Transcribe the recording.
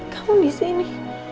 kamu di sini